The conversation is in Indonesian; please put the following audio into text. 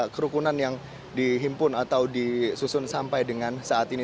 kerukunan yang dihimpun atau disusun sampai dengan saat ini